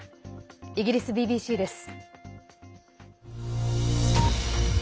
イギリスＢＢＣです。